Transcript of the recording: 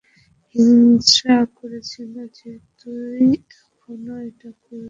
হিংসা করছিস যে তুই এখনও এটা করিসনি?